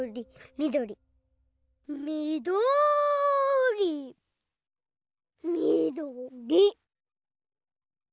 みどりみどりみどり？